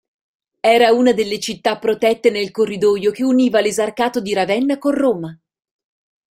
Era una delle città protette nel corridoio che univa l'Esarcato di Ravenna con Roma.